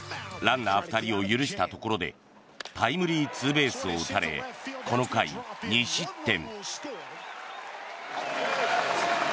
ランナー２人を許したところでタイムリーツーベースを打たれこの回２失点。